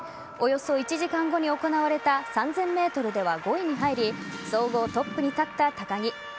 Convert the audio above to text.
およそ１時間後に行われた３０００ｍでは５位に入り総合トップに立った高木。